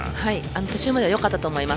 途中まではよかったと思います。